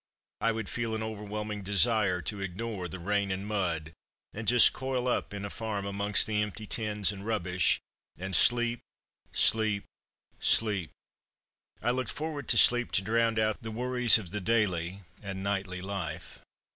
I would feel an overwhelming desire to ignore the rain and mud, and just coil up in a farm amongst the empty tins and rubbish and sleep, sleep, sleep. I looked forward to sleep to drown out the worries of the daily and nightly life.